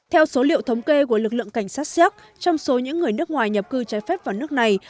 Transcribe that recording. theo số liệu thống kê của lực lượng cảnh sát siak trong số những người nước ngoài nhập cư trái phép vào nước này